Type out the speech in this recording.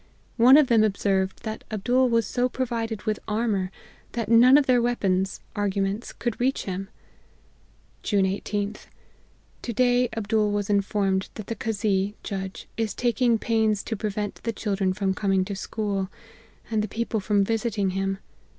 One of them observed, that Abdool was so provided with armour, that none of their weapons (arguments) could reach him. "June 18th. To day, Abdool was informed, that the kazee (judge) is taking pains to prevent the children from coming to school, and the people from visiting him.